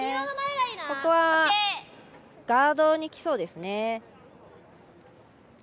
ここはガードにきそうです。